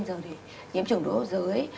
rồi thì nhiễm trùng đối hợp dưới